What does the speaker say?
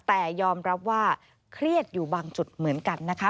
แต่ยอมรับว่าเครียดอยู่บางจุดเหมือนกันนะคะ